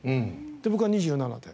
で僕は２７で。